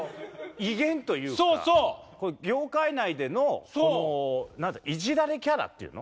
威厳というか業界内でのいじられキャラっていうの？